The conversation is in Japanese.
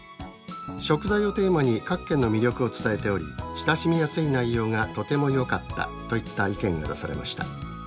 「食材をテーマに各県の魅力を伝えており親しみやすい内容がとてもよかった」といった意見が出されました。